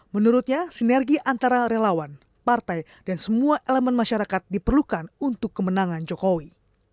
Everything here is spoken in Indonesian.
menurutnya sinergi antara relawan partai dan semua elemen masyarakat diperlukan untuk kemenangan jokowi